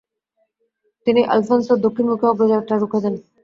তিনি অলফেনসোর দক্ষিণমুখী অগ্রযাত্রা রুখে দেন।